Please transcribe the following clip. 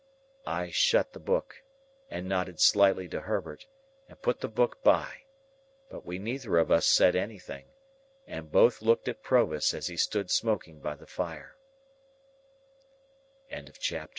I shut the book and nodded slightly to Herbert, and put the book by; but we neither of us said anything, and both looked at Provis as he stood